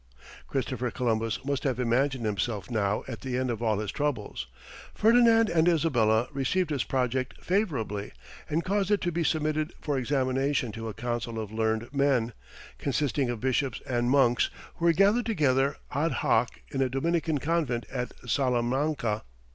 Christopher Columbus must have imagined himself now at the end of all his troubles. Ferdinand and Isabella received his project favourably, and caused it to be submitted for examination to a council of learned men, consisting of bishops and monks who were gathered together ad hoc in a Dominican convent at Salamanca.